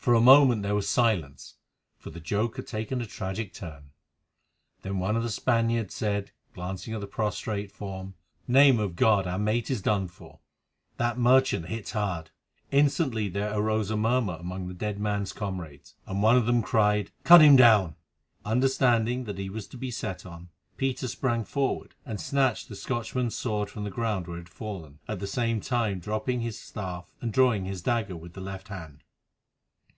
For a moment there was silence, for the joke had taken a tragic turn. Then one of the Spaniards said, glancing at the prostrate form: "Name of God! our mate is done for. That merchant hits hard." Instantly there arose a murmur among the dead man's comrades, and one of them cried: "Cut him down!" Understanding that he was to be set on, Peter sprang forward and snatched the Scotchman's sword from the ground where it had fallen, at the same time dropping his staff and drawing his dagger with the left hand.